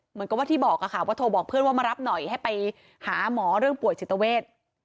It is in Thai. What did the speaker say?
เหมือนกับว่าที่บอกค่ะว่าโทรบอกเพื่อนว่ามารับหน่อยให้ไปหาหมอเรื่องป่วยจิตเวท